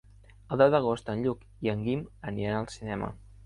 El deu d'agost en Lluc i en Guim aniran al cinema.